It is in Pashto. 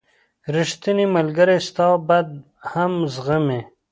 • ریښتینی ملګری ستا بد هم زغمي.